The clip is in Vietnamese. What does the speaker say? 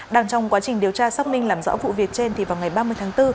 đang trong quá trình điều tra xác minh làm rõ vụ việc trên thì vào ngày ba mươi tháng bốn